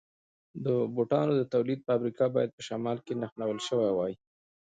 د بوټانو د تولید فابریکه باید په شمال کې نښلول شوې وای.